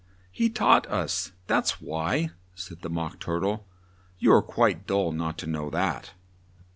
"He taught us, that's why," said the Mock Tur tle: "you are quite dull not to know that!"